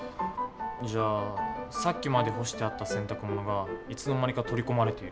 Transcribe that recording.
じゃあ「さっきまで干してあった洗濯物がいつの間にか取り込まれている。